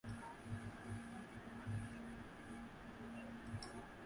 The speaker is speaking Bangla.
মার্লিয়ন ব্যান্ডের গিটারবাদক স্টিভ রোথারি ব্রাম্পটনে জন্মগ্রহণ করেন।